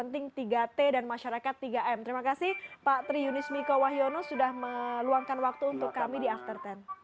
terima kasih pak triunis miko wahyono sudah meluangkan waktu untuk kami di after sepuluh